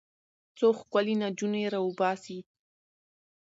څو ښکلې نجونې راوباسي.